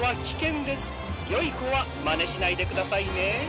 よいこはまねしないでくださいね。